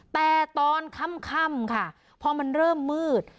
แต่ตอนค่ำค่ะพอมันเริ่มมืด